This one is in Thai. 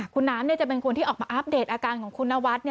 คุณน้ำจะเป็นคนที่ออกมาอัปเดตอาการของคุณนวัด